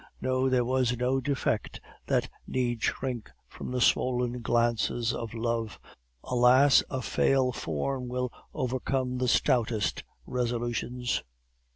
No, there was no defect that need shrink from the stolen glances of love. Alas, a fair form will overcome the stoutest resolutions!